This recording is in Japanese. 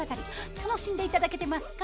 楽しんで頂けてますか？